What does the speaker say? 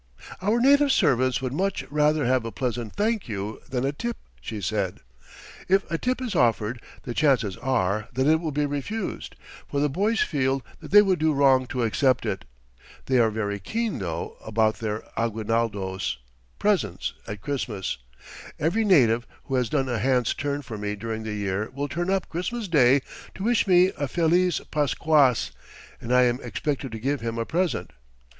"Our native servants would much rather have a pleasant 'thank you' than a tip," she said; "if a tip is offered, the chances are that it will be refused, for the boys feel that they would do wrong to accept it. They are very keen, though, about their aguinaldos presents at Christmas. Every native who has done a hand's turn for me during the year will turn up Christmas Day to wish me a feliz Pasquas, and I am expected to give him a present.